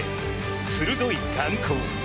鋭い眼光。